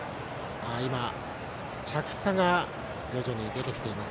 今、着差が徐々に出てきています。